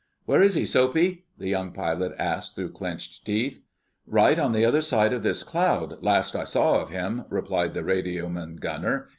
"Where is he, Soapy?" the young pilot asked through clenched teeth. "Right on the other side of this cloud, last I saw of him," replied the radioman gunner.